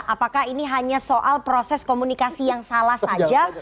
apakah ini hanya soal proses komunikasi yang salah saja